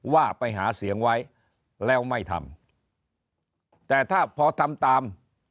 ว่าไปหาเสียงไว้แล้วไม่ทำแต่ถ้าพอทำตาม